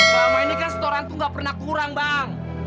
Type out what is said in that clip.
selama ini kan setoran tuh gak pernah kurang bang